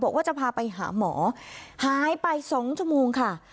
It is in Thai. บอกว่าจะพาไปหาหมอหายไป๒ชั่วโมงค่ะ